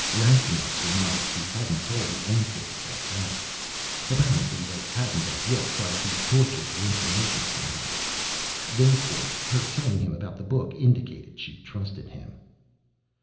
Rastignac surmised she hadn't told the Amphibs about that. Apparently they hadn't, as yet, tried to torture the information from her. Therefore, her telling him about the book indicated she trusted him.